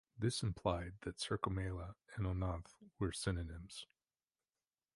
This implied that "Cercomela" and "Oenanthe" were synonyms.